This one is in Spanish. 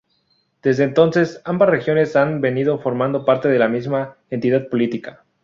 Desde entonces, ambas regiones han venido formando parte de la misma entidad política.